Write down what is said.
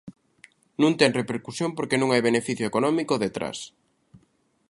Non ten repercusión porque non hai beneficio económico detrás.